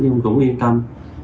nhưng cũng yên tâm